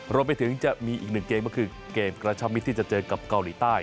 รวมไปถึงจะมีอีกหนึ่งเกมก็คือเกมกระชับมิตรที่จะเจอกับเกาหลีใต้